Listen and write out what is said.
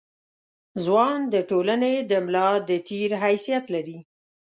ځوان د ټولنې د ملا د تیر حیثیت لري.